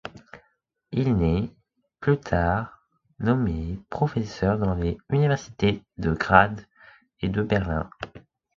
Il est, plus tard, nommé professeur dans les universités de Graz et de Berlin.